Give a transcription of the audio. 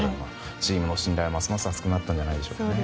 チームの信頼はますます厚くなったんじゃないですかね。